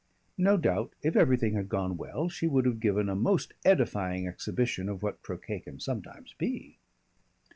No doubt if everything had gone well she would have given a most edifying exhibition of what croquet can sometimes be.